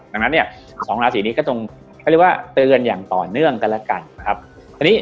ดังนั้น๒ราศีนี้ก็เรียกว่าเตือนอย่างต่อเนื่องก็ละกัน